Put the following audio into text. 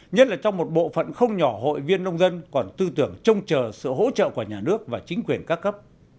nhất là trong một bộ phận không nhỏ hội viên nông dân còn tư tưởng trông chờ sự hỗ trợ của nhà nước và chính quyền các cấp